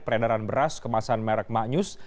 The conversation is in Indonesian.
pereneran beras kemasan merk ma'nyus